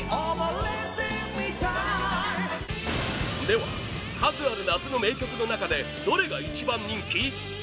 では、数ある夏の名曲の中でどれが一番人気？